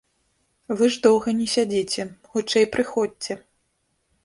Вы ж доўга не сядзіце, хутчэй прыходзьце.